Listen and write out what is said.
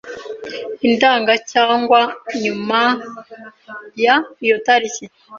inganda cyangwa nyuma y iyo tariki